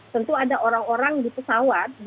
tentu ada orang orang di pesawat